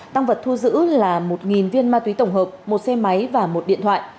tăng vật thu giữ là một viên ma túy tổng hợp một xe máy và một điện thoại